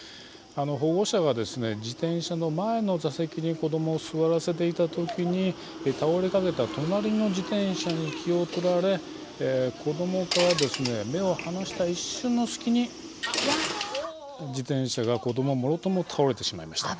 保護者が自転車の前の座席に子供を座らせていた時に倒れかけた隣の自転車に気を取られ子供から目を離した一瞬の隙に自転車が子供もろとも倒れてしまいました。